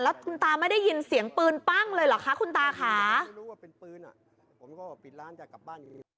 แล้วคุณตาไม่ได้ยินเสียงปืนปั้งเลยหรอกคะคุณตาค่ะ